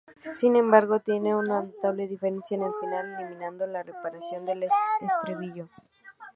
Sin embargo tiene una notable diferencia en el final, eliminando la "reaparición" del estribillo.